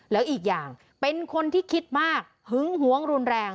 แล้วอีกอย่างเป็นคนที่คิดมากหึงหวงรุนแรง